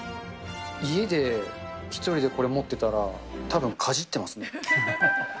家で１人でこれ持ってたら、たぶん、かじってますね。